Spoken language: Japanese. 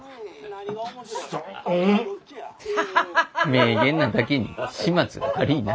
名言なだけに始末が悪いな。